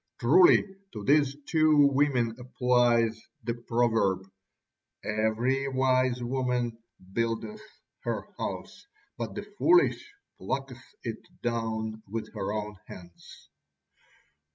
Truly to these two women applies the proverb: "Every wise woman buildeth her house: but the foolish plucketh it down with her own hands."